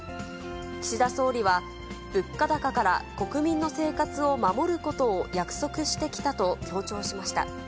岸田総理は、物価高から国民の生活を守ることを約束してきたと強調しました。